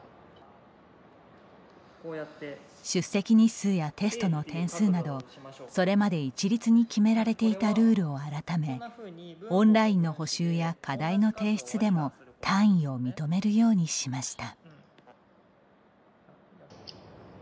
出席日数やテストの点数などそれまで一律に決められていたルールを改めオンラインの補習や課題の提出でも単位を認めるようにしました。